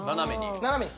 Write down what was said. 斜めに？